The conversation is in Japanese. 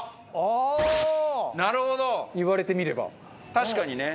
確かにね。